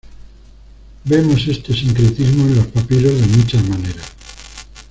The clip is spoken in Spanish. Vemos este sincretismo en los papiros de muchas maneras.